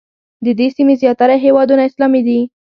د دې سیمې زیاتره هېوادونه اسلامي دي.